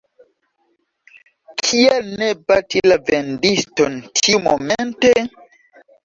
Kial ne bati la vendiston tiumomente?